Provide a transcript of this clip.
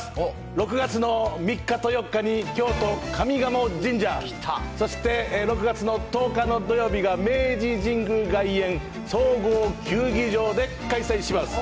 ６月の３日と４日に、京都・上賀茂神社、そして６月の１０日の土曜日が明治神宮外苑総合球技場で開催します。